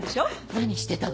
何してたの？